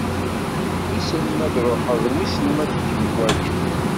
Wissen m'ad d-truḥeḍ, wiss m'ad kem-waliɣ.